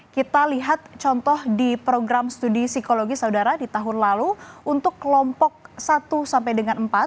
kita lihat contoh di program studi psikologi saudara di tahun lalu untuk kelompok satu sampai dengan empat